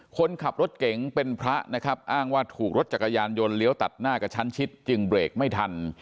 คนขับรถเก๋งเป็นพระนะครับอ้างว่าถูกรถจักรยานยนต์เลี้ยวตัดหน้ากระชั้นชิดจึงเบรกไม่ทัน